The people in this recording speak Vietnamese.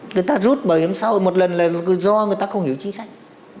người ta rút bảo hiểm xã hội một lần là do người ta không hiểu chính sách